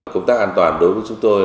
công tác an toàn đối với chúng tôi